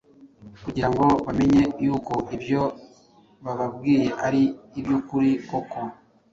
kugira ngo bamenye yuko ibyo bababwiye ari iby’ukuri koko.